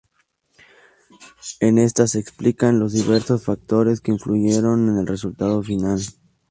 En esta se explican los diversos factores que influyeron en el resultado final.